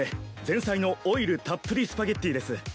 前菜のオイルたっぷりスパゲッティです。